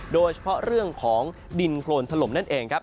โดยเฉพาะเรื่องของดินโครนถล่มนั่นเองครับ